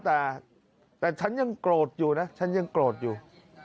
แต่ฉันยังโกรธอยู่นะฉันยังโกรธอยู่